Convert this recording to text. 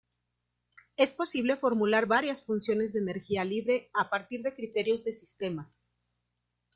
Es posible formular varias funciones de energía libre a partir de criterios de sistemas.